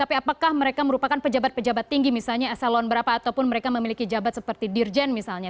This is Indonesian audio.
tapi apakah mereka merupakan pejabat pejabat tinggi misalnya eselon berapa ataupun mereka memiliki jabat seperti dirjen misalnya